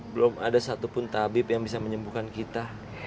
belum ada satupun tabib yang bisa menyembuhkan kita